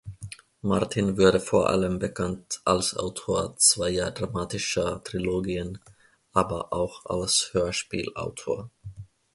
Martin wurde vor allem bekannt als Autor zweier dramatischer Trilogien, aber auch als Hörspielautor.